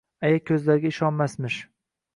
aya ko‘zlariga ishonmasmish.